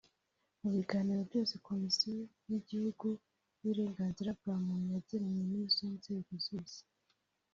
Mu biganiro byose Komisiyo y’Igihugu y’Uburenganzira bwa Muntu yagiranye n’izo nzego zose